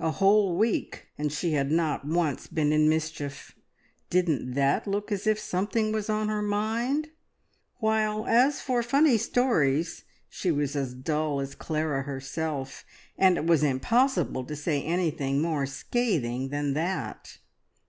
A whole week, and she had not once been in mischief. Didn't that look as if something was on her mind? While as for funny stories, she was as dull as Clara herself; and it was impossible to say anything more scathing than that!